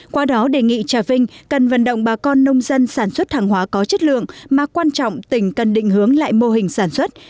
qua đó đề nghị trà vinh cần vận động bà con nông dân sản xuất hàng hóa có chất lượng mà quan trọng tỉnh cần định hướng lại mô hình sản xuất